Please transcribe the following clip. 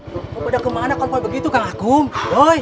kamu pada kemana kau buat begitu kang agung